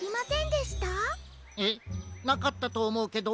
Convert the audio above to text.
えっ？なかったとおもうけど。